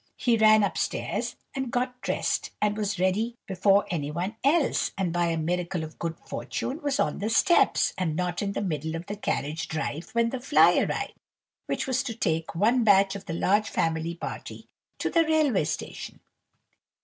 He ran up stairs, and got dressed, and was ready before anyone else; and, by a miracle of good fortune, was on the steps, and not in the middle of the carriage drive, when the fly arrived, which was to take one batch of the large family party to the railway station.